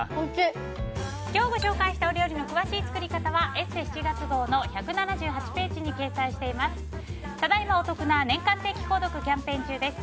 今日ご紹介した料理の詳しい作り方は「ＥＳＳＥ」７月号の１７８ページに掲載しています。